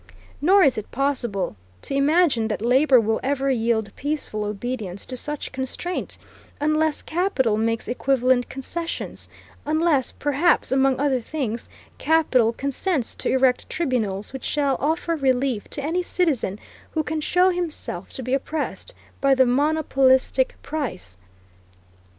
Nor is it possible to imagine that labor will ever yield peaceful obedience to such constraint, unless capital makes equivalent concessions, unless, perhaps, among other things, capital consents to erect tribunals which shall offer relief to any citizen who can show himself to be oppressed by the monopolistic price.